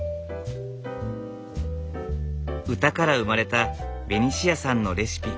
歌から生まれたベニシアさんのレシピ。